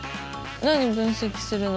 何分析するの？